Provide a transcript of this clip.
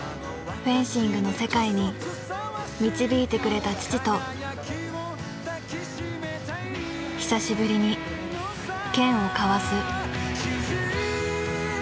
フェンシングの世界に導いてくれた父と久しぶりに剣を交わす。